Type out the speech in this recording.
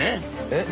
え？